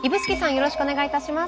よろしくお願いします。